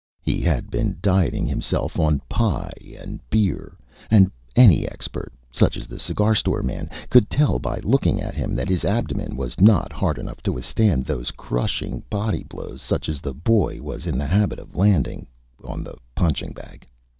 He had been dieting himself on Pie and Beer, and any Expert, such as the Cigar Store Man, could tell by looking at him that his Abdomen was not hard enough to withstand those crushing Body Blows such as the Boy was in the Habit of Landing on the Punching Bag.